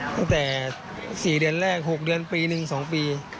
ตั้งแต่๔เดือนแรก๖เดือนปีหนึ่ง๒ปี